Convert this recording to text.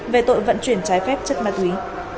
về tội vận chuyển trái phép chất ma túy